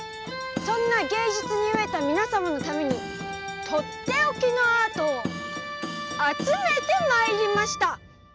そんな芸術に飢えた皆様のためにとっておきのアートを集めてまいりました！